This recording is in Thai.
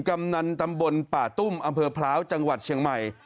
กำนันตำบลป่าตุ้มอำเภอพร้าวจังหวัดเชียงใหม่